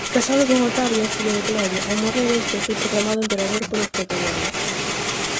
Casado con Octavia, filla de Claudio, ao morrer este foi proclamado emperador polos pretorianos.